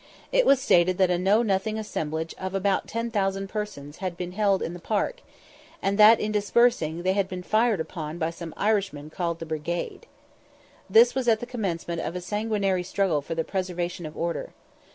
It was stated that a Know nothing assemblage of about 10,000 persons had been held in the Park, and that, in dispersing, they had been fired upon by some Irishmen called the Brigade. This was the commencement of a sanguinary struggle for the preservation of order.